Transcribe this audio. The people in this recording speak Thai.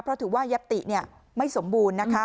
เพราะถือว่ายัตติไม่สมบูรณ์นะคะ